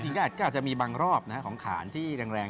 จริงก็อาจจะมีบางรอบนะครับของขานที่แรง